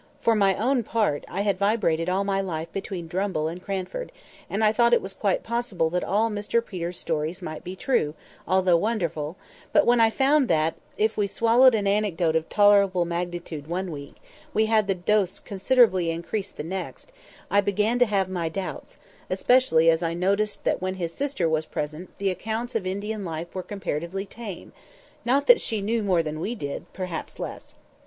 For my own part, I had vibrated all my life between Drumble and Cranford, and I thought it was quite possible that all Mr Peter's stories might be true, although wonderful; but when I found that, if we swallowed an anecdote of tolerable magnitude one week, we had the dose considerably increased the next, I began to have my doubts; especially as I noticed that when his sister was present the accounts of Indian life were comparatively tame; not that she knew more than we did, perhaps less.